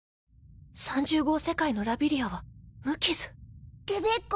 ３０号世界のラビリアは無傷レベッカ？